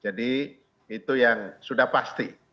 jadi itu yang sudah pasti